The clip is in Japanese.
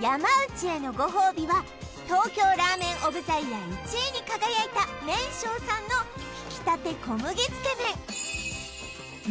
山内へのご褒美は東京ラーメン・オブ・ザ・イヤー１位に輝いたＭＥＮＳＨＯさんの挽きたて小麦つけめん